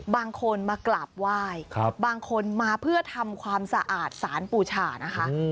บางคนมากราบไหว้บางคนมาเพื่อทำความสะอาดสารปูชานะคะ